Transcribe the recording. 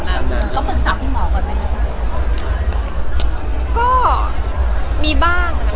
ต้องเป็นสอบให้หมอก่อนไหม